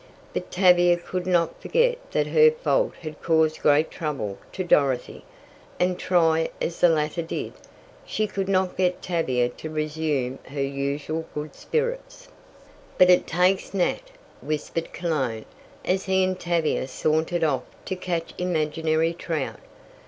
But Tavia could not forget that her fault had caused great trouble to Dorothy, and try as the latter did, she could not get Tavia to resume her usual good spirits. "But it takes Nat," whispered Cologne, as he and Tavia sauntered off to catch imaginary trout.